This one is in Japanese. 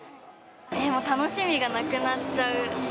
楽しみがなくなっちゃう。